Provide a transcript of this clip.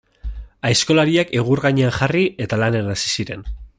Aizkolariak egur gainean jarri, eta lanean hasi ziren.